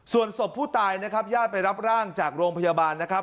ส่วนศพผู้ตายนะครับญาติไปรับร่างจากโรงพยาบาลนะครับ